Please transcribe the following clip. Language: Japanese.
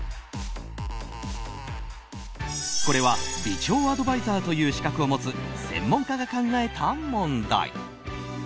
これは、美腸アドバイザーという資格を持つ専門家が考えた問題。